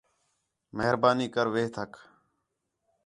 مہربانی کر وِہ تھک